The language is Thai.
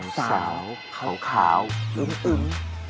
สาวเขาขาวอึ้ม